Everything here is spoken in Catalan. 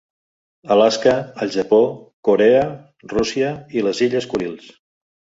Alaska, el Japó, Corea, Rússia i les illes Kurils.